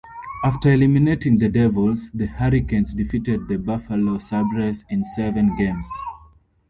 After eliminating the Devils, the Hurricanes defeated the Buffalo Sabres in seven games.